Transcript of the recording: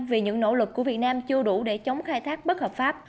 vì những nỗ lực của việt nam chưa đủ để chống khai thác bất hợp pháp